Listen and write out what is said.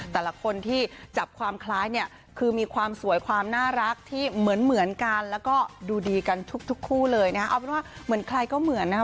แต่ละคนที่จับความคล้ายเนี่ยคือมีความสวยความน่ารักที่เหมือนเหมือนกันแล้วก็ดูดีกันทุกคู่เลยนะเอาเป็นว่าเหมือนใครก็เหมือนนะฮะ